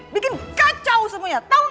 bikin kacau semuanya tau gak